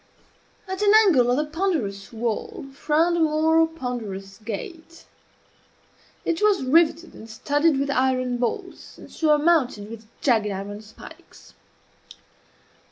At an angle of the ponderous wall frowned a more ponderous gate. It was riveted and studded with iron bolts, and surmounted with jagged iron spikes.